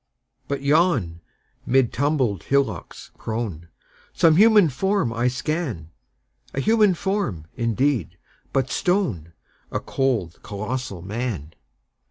But yon, mid tumbled hillocks prone, Some human form I scan A human form, indeed, but stone: A cold, colossal Man!